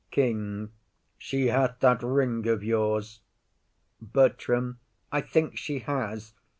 KING. She hath that ring of yours. BERTRAM. I think she has.